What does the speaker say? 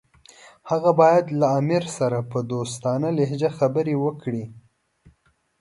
هغه باید له امیر سره په دوستانه لهجه خبرې وکړي.